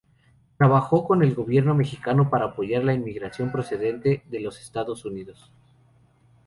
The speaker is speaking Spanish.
Trabajó con el gobierno mexicano para apoyar la inmigración procedente de los Estados Unidos.